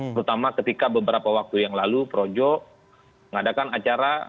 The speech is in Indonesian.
terutama ketika beberapa waktu yang lalu projo mengadakan acara